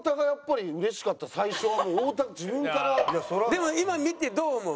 でも今見てどう思う？